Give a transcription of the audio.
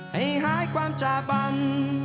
ให้หายความจาบัน